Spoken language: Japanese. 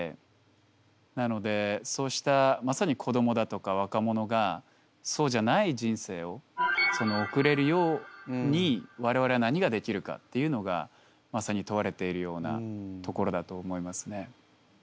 なのでそうしたまさに子どもだとか若者がそうじゃない人生を送れるように我々は何ができるかっていうのがまさに問われているようなところだと思いますね。